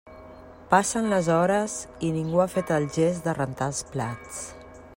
Passen les hores i ningú ha fet el gest de rentar els plats.